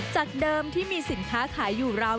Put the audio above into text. จากเดิมที่มีสินค้าขายอยู่ราว